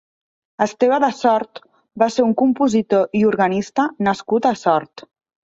Esteve de Sort va ser un compositor i organista nascut a Sort.